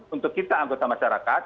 untuk kita anggota masyarakat